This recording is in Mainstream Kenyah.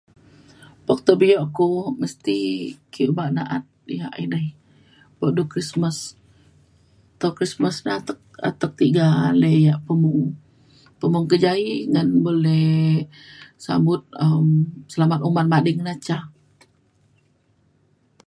buk tau bio ku mesti ake obak na’at yak edei lepo du Krismas tau Krismas ra atek atek tiga ale yak pemung. pemung kejaie ngan boleh sambut um selamat uman mading na ca.